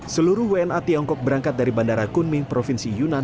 seluruh wna tiongkok berangkat dari bandara kunmin provinsi yunan